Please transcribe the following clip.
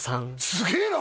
すげえな！